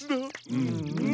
うんうん。